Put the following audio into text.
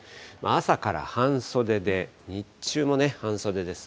朝から半袖で、日中も半袖です。